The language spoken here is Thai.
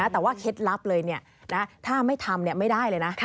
แต่ว่าเคล็ดลับเลยถ้าไม่ทำไม่ได้เลยนะ